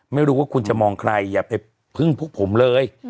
ไม่รู้ว่าคุณจะมองใครอย่าไปพึ่งพวกผมเลย